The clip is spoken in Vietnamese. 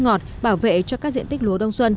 ngọt bảo vệ cho các diện tích lúa đông xuân